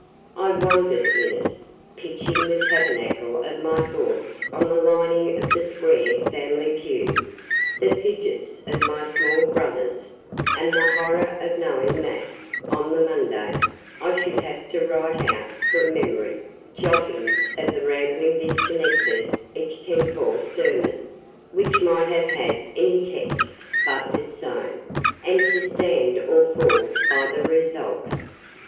I wandered in it, pitching the tabernacle of my thoughts on the lining of the square family pew, the fidgets of my small brothers, and the horror of knowing that, on the Monday, I should have to write out, from memory, jottings of the rambling disconnected extempore sermon, which might have had any text but its own, and to stand or fall by the result.